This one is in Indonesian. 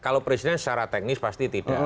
kalau presiden secara teknis pasti tidak